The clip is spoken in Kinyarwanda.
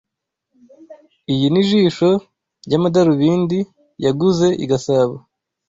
Iyi ni jisho ry'amadarubindi yaguze i Gasabo.